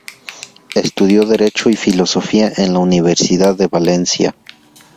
Estudió Derecho y Filosofía en la Universidad de Valencia.